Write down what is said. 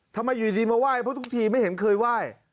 ทำไมอยู่ดีมาไหว้เพราะทุกทีไม่เห็นเคยไหว้